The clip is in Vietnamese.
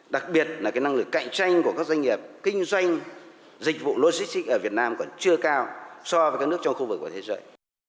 đặc biệt là năng lực cạnh tranh của các doanh nghiệp kinh doanh dịch vụ logistics ở việt nam còn chưa cao so với các nước trong khu vực của thế giới